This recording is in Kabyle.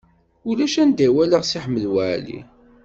Ulac anda i walaɣ Si Ḥmed Waɛli.